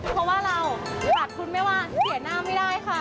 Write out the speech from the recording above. เพราะว่าเราฝากคุณแม่ว่าเสียหน้าไม่ได้ค่ะ